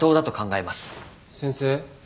先生。